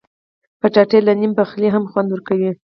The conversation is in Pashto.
کچالو له نیم پخلي هم خوند ورکوي